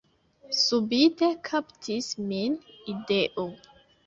Subite kaptis min ideo.